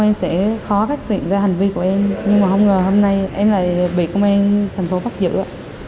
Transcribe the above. nhưng mà không ngờ hôm nay em lại bị công an tp bắt giữ